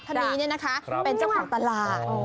ท่านนี้เนี่ยนะคะเป็นเจ้าของตลาด